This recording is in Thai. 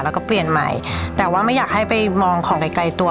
แล้วก็เปลี่ยนใหม่แต่ว่าไม่อยากให้ไปมองของไกลไกลตัว